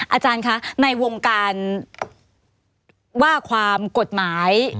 อาจารย์คะในวงการว่าความกฎหมาย